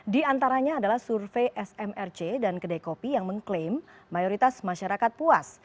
di antaranya adalah survei smrc dan kedai kopi yang mengklaim mayoritas masyarakat puas